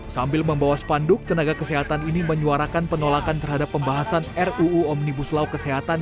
sambil membawa spanduk tenaga kesehatan ini menyuarakan penolakan terhadap pembahasan ruu omnibus law kesehatan